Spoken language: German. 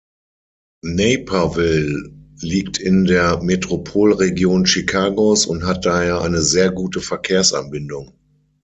Naperville liegt in der Metropolregion Chicagos und hat daher eine sehr gute Verkehrsanbindung.